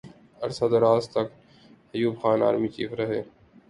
عرصہ دراز تک ایوب خان آرمی چیف رہے۔